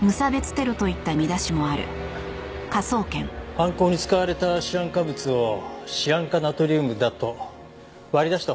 犯行に使われたシアン化物をシアン化ナトリウムだと割り出した報道はありませんね。